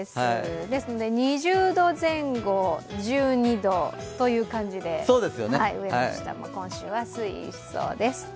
２０度前後、１２度という感じで上も下も今週は推移しそうです。